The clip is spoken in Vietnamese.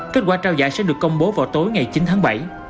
kết quả trao giải sẽ được công bố vào tối ngày chín tháng bảy